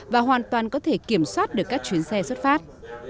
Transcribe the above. và hoàn toàn có thể kiểm soát được các chuyến xe xuất phát